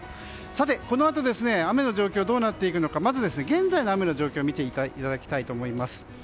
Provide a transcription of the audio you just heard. さて、このあと雨の状況どうなっていくのかまず、現在の雨の状況を見ていただきたいと思います。